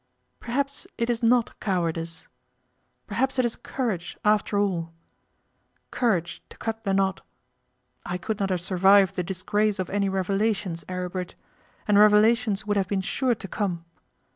Perhaps it is not cowardice; perhaps it is courage, after all courage to cut the knot. I could not have survived the disgrace of any revelations, Aribert, and revelations would have been sure to come.